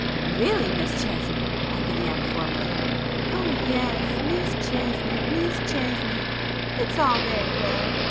"Really, Miss Chesney," I began formally. "Oh yes, Miss Chesney, Miss Chesney—it's all very well!"